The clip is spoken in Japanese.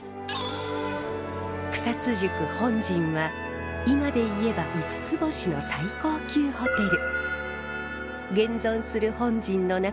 草津宿本陣は今で言えば５つ星の最高級ホテル。